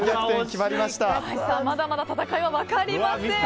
まだまだ戦いは分かりません。